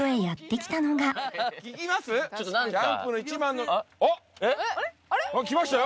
来ましたよ。